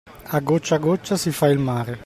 A goccia a goccia si fa il mare.